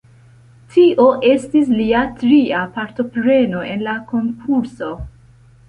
Tio estis lia tria partopreno en la konkurso.